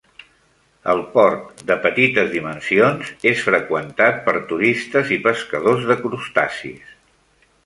El port, de petites dimensions, és freqüentat per turistes i pescadors de crustacis.